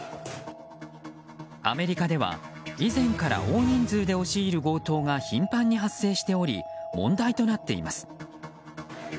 アメリカでは以前から大人数で押し入る強盗が頻繁に発生しており問題となっています。